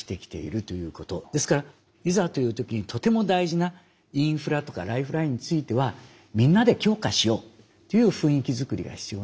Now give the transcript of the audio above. ですからいざという時にとても大事なインフラとかライフラインについてはみんなで強化しようという雰囲気作りが必要なんだと思います。